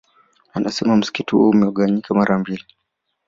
Anasema msikiti huo umegawanyika mara mbili